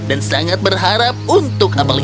dan sangat berharap untuk ambilnya